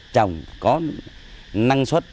trồng có năng suất